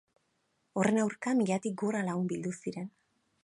Horren aurka, milatik gora lagun bildu ziren.